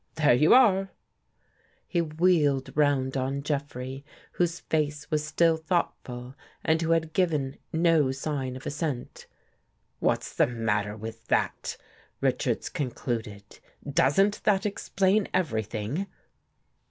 There you are !" He wheeled round on Jeffrey, whose face was still thoughtful and who had given no sign of assent. "What's the matter with that?" Richards con cluded. " Doesn't that explain everything?